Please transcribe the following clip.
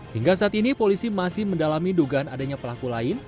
hingga saat ini polisi masih mendalami dugaan adanya pelaku lain